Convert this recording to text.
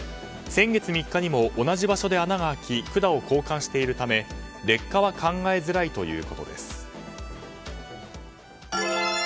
先月３日にも同じ場所で穴が開き管を交換しているため劣化は考えづらいということです。